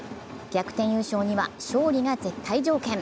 逆転優勝には勝利が絶対条件。